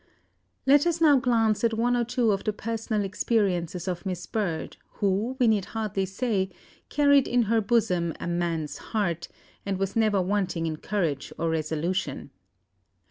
Let us now glance at one or two of the personal experiences of Miss Bird, who, we need hardly say, carried in her bosom a man's heart, and was never wanting in courage or resolution.